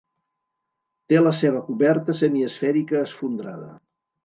Té la seva coberta semiesfèrica esfondrada.